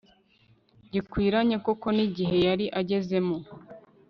gikwiranye koko n'igihe yari agezemo